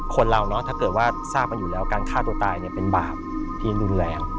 คนเราถ้าเกิดว่าทราบมาอยู่แล้วการฆ่าตัวตายเป็นบาปที่รุนแรง